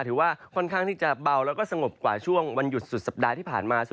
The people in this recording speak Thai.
ถือว่าค่อนข้างที่จะเบาแล้วก็สงบกว่าช่วงวันหยุดสุดสัปดาห์ที่ผ่านมา